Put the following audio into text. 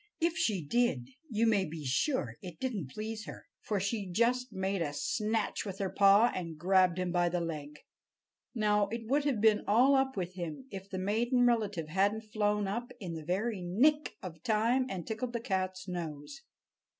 If she did, you may be sure it didn't please her, for she just made a snatch with her paw and grabbed him by the leg. Now, it would have been all up with him if the maiden relative hadn't flown up in the very nick of time and tickled the cat's nose.